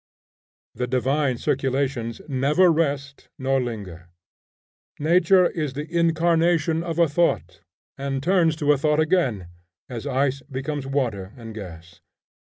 The divine circulations never rest nor linger. Nature is the incarnation of a thought, and turns to a thought again, as ice becomes water and gas.